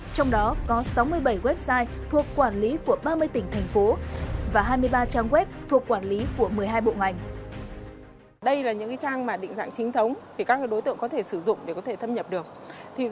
trong đó có sáu mươi bảy website thuộc quản lý của ba mươi tỉnh thành phố và hai mươi ba trang web thuộc quản lý của một mươi hai bộ ngành